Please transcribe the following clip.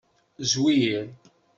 Zwir.